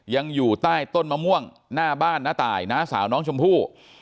อยู่ใต้ต้นมะม่วงหน้าบ้านน้าตายน้าสาวน้องชมพู่